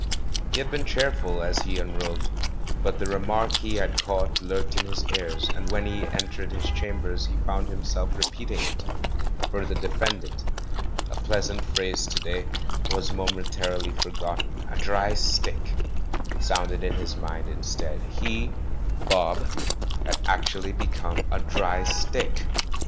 He had been cheerful as he unrobed, but the re mark he had caught lurked in his ears, and when he entered his chambers he found himself repeat ing it. "For the defendant," a pleasant phrase to day, was momentarily forgotten; "a dry stick" sounded in his mind instead. He, *'Bob," had actually become a "dry stick"!